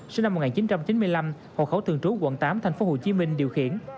sinh năm một nghìn chín trăm chín mươi năm hộ khẩu thường trú quận tám tp hcm điều khiển